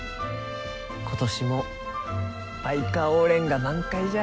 今年もバイカオウレンが満開じゃ。